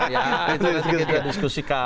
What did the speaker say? ya itu mesti kita diskusikan